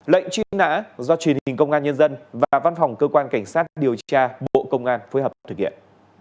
lệnh truy nã do truyền hình công an nhân dân và văn phòng cơ quan cảnh sát điều tra bộ công an phối hợp thực hiện